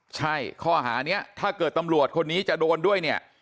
ใช่ข้อหานี้ถ้าเกิดตำรวจคนนี้จะโดนด้วยเนี่ย